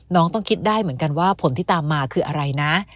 น้องต้องคิดได้เหมือนกันว่าผลที่ตามมาคืออะไรนะ